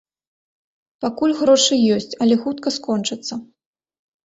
Пакуль грошы ёсць, але хутка скончацца.